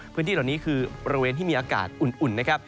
พื้นที่เหล่านี้คือบริเวณที่มีอากาศอุ่นนะครับ